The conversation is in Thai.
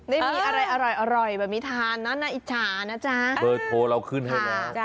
ได้มีอะไรอร่อยอร่อยแบบมิทานนะไอจานะจ๊ะเบอร์โทรเราขึ้นให้แล้วครับ